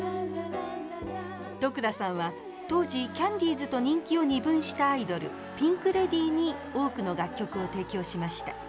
都倉さんは当時キャンディーズと人気を二分したアイドルピンク・レディーに多くの楽曲を提供しました。